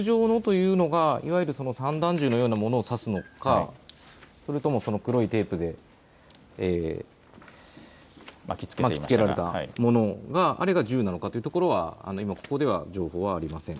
筒状のというのが、いわゆる散弾銃のようなものを指すのかそれとも黒いテープで巻きつけられたものがあれが銃なのかというところはここでは情報はありません。